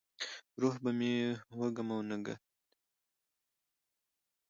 روح به مې وږم او نګهت،